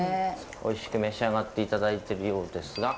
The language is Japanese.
おいしく召し上がっていただいてるようですが。